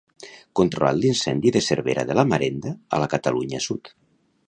Controlat l'incendi de Cervera de la Marenda, a la Catalunya Sud.